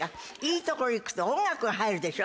いいところ行くと音楽が入るでしょ？